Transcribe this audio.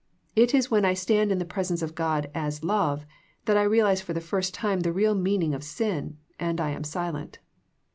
It is when I stand in the presence of God as love that I realize for the first time the real meaning of sin, and I am silent.